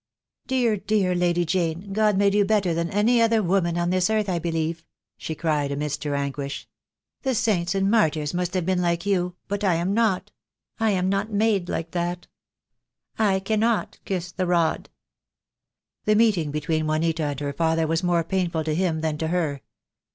"Dear, dear Lady Jane, God made you better than any other woman on this earth, I believe," she cried amidst her anguish. "The saints and martyrs must have The Day will come. /. 8 ii4 THE DAY WILL c0^. been like you, but I am not. I am not made like that! I cannot kiss the rod." The meeting between Juanita and her father was more painful to him than to her.